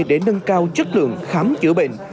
để nâng cao chất lượng khám chữa bệnh